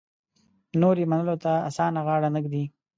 نور یې منلو ته اسانه غاړه نه ږدي.